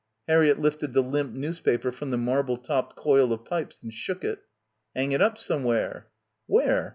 Harriett lifted the limp newspaper from the marble topped coil of pipes and shook it. "Hang it up somewhere." "Where?